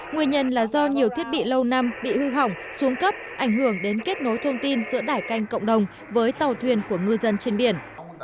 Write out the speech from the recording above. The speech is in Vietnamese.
nguyên nhân là do nhiều thiết bị lâu năm bị hư hỏng xuống cấp ảnh hưởng đến kết nối thông tin giữa đại canh cộng đồng với tàu thuyền của ngư dân trên biển